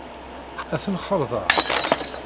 Ad ten-xalḍeɣ.